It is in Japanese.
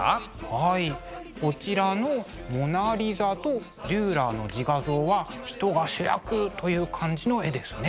はいこちらの「モナ・リザ」とデューラーの「自画像」は人が主役という感じの絵ですね。